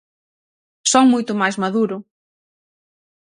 Son moito máis maduro.